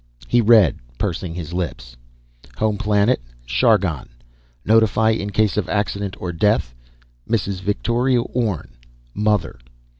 He read, pursing his lips: "Home Planet: Chargon. Notify in case of accident or death: Mrs. Victoria Orne, mother."